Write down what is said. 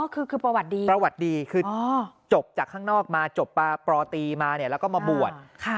คือประวัติดีอ๋อคือจบจากข้างนอกมาจบป่าตีมาแล้วก็มาบวช